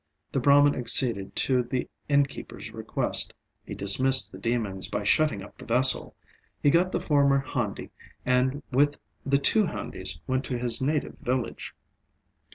The Brahman acceded to the innkeeper's request, he dismissed the demons by shutting up the vessel; he got the former handi, and with the two handis went to his native village.